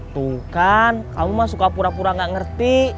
tuh kan kamu mah suka pura pura gak ngerti